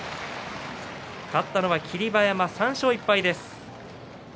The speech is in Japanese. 勝ったのは霧馬山３勝１敗です。